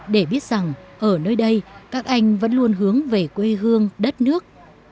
để biết rằng ở nơi đây các anh vẫn luôn hướng về quê hương đất nước